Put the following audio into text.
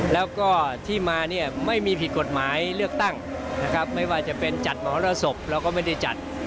แล้วก็ที่มาเนี่ยไม่มีผิดกฎหมายเลือกตั้งนะครับไม่ว่าจะเป็นจัดมหรสบเราก็ไม่ได้จัด